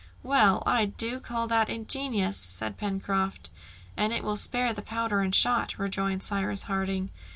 "Well! I do call that ingenious!" said Pencroft. "And it will spare the powder and shot," rejoined Cyrus Harding.